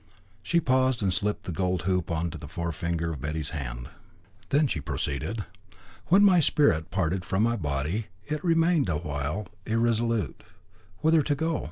She paused, and slipped the gold hoop on to the forefinger of Betty's hand. Then she proceeded "When my spirit parted from my body, it remained a while irresolute whither to go.